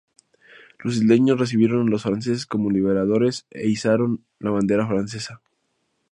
Los isleños recibieron a los franceses como liberadores e izaron la bandera francesa.